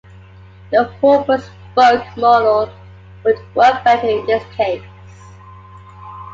The Hub and spoke model would work better in this case.